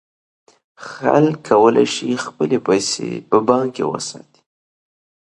خلک کولای شي خپلې پیسې په بانک کې وساتي.